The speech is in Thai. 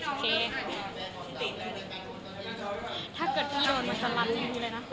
โอเค